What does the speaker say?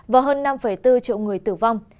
và hơn năm bốn triệu người tử vong